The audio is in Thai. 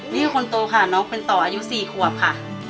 นี่คือคนโตค่ะน้องเป็นต่ออายุ๔ขวบค่ะ